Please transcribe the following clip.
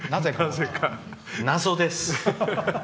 謎です。